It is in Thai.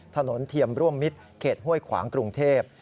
เทียมร่วมมิตรเขตห้วยขวางกรุงเทพ